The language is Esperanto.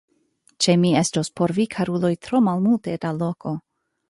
Ĉe mi estos por vi, karuloj, tro malmulte da loko!